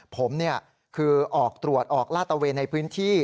ผมคือออกตรวจออกลาดตะเวนในพื้นที่